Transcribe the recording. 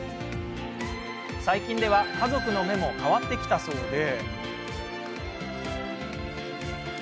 最近は家族の目も変わってきたそうで。